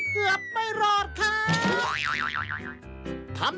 เกือบไม่รอดครับ